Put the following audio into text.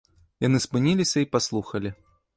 Яны спыніліся і паслухалі.